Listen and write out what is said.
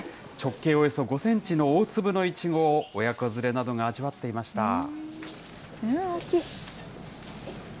直径およそ５センチの大粒のイチゴを親子連れなどが味わっていました。